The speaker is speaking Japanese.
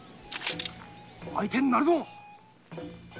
相手になるぞ！